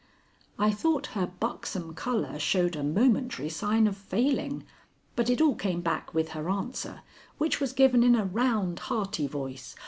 I thought her buxom color showed a momentary sign of failing, but it all came back with her answer, which was given in a round, hearty voice.